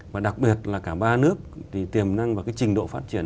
và đặc biệt là cả ba nước thì tiềm năng và cái trình độ phát triển